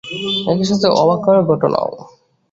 একই সাথে অবাক করা ঘটনাও!